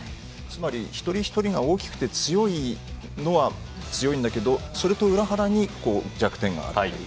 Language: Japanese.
一人一人が大きくて強いのは強いんだけれどもそれと裏腹に弱点があるという。